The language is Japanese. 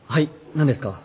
何ですか？